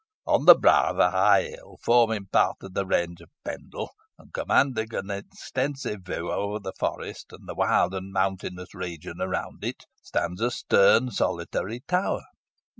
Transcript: "On the brow of a high hill forming part of the range of Pendle, and commanding an extensive view over the forest, and the wild and mountainous region around it, stands a stern solitary tower.